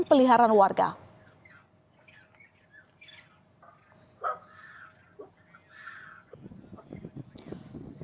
namun harimau ini tak terganggu dan dengan cepat memangsa anjing